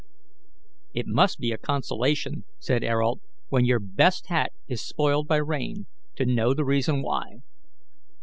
"It must be a consolation," said Ayrault, "when your best hat is spoiled by rain, to know the reason why.